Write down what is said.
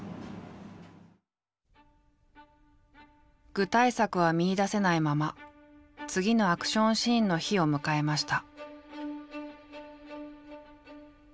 具体策は見いだせないまま次のアクションシーンの日を迎えました。